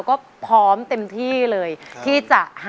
เกิดเสียแฟนไปช่วยไม่ได้นะ